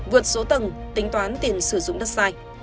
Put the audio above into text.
vượt số tầng tính toán tiền sử dụng đất sai